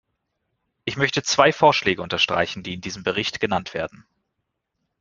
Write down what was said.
Ich möchte zwei Vorschläge unterstreichen, die in diesem Bericht genannt werden.